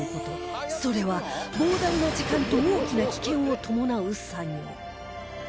それは膨大な時間と大きな危険を伴う作業